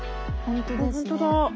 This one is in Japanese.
本当だ。